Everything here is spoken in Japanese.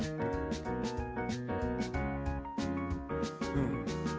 うん。